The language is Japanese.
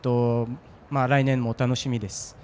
来年も楽しみです。